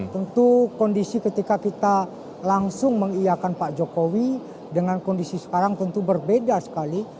tentu kondisi ketika kita langsung mengiakan pak jokowi dengan kondisi sekarang tentu berbeda sekali